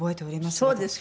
そうですか？